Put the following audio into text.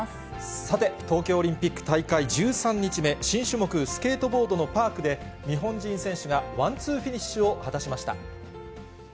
さて、東京オリンピック大会１３日目、新種目、スケートボードのパークで、日本人選手がワンツーフィニッシュを果たしました。